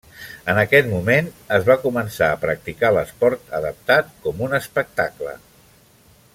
En aquest moment es va començar a practicar l'esport adaptat com un espectacle.